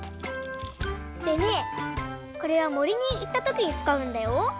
でねこれはもりにいったときにつかうんだよ。